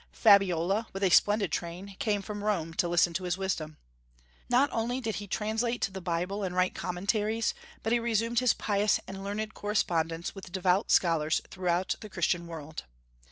Fabiola, with a splendid train, came from Rome to listen to his wisdom. Not only did he translate the Bible and write commentaries, but he resumed his pious and learned correspondence with devout scholars throughout the Christian world.